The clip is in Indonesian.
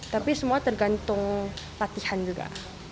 tapi semua tergantung latihan juga